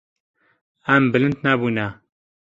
Em bilind nebûne.